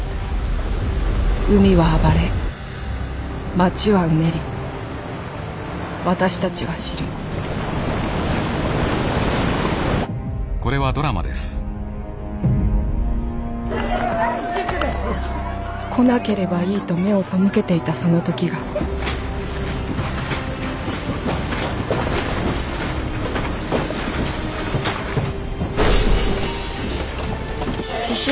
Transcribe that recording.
海は暴れ街はうねり私たちは知る来なければいいと目を背けていたその時が地震？